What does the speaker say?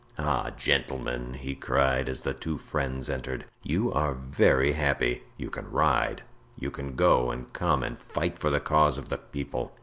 "Ah, gentlemen," he cried, as the two friends entered, "you are very happy! you can ride, you can go and come and fight for the cause of the people.